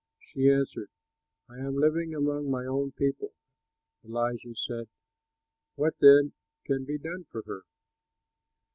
'" She answered, "I am living among my own people." Elisha said, "What then can be done for her?"